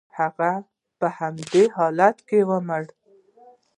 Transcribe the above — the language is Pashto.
هغه په همدې حالت کې ومړ.